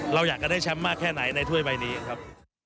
เราอยากจะได้แชมป์มากแค่ไหนในถ้วยใบนี้ครับ